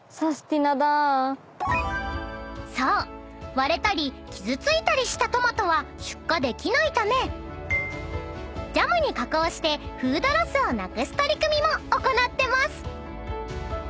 割れたり傷ついたりしたトマトは出荷できないためジャムに加工してフードロスをなくす取り組みも行ってます］